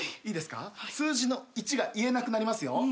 いいですか数字の１が言えなくなりますよ。